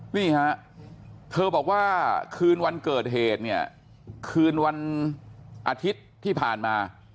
นี่ฮะเธอบอกว่าคืนวันเกิดเหตุเนี่ยคืนวันอาทิตย์ที่ผ่านมา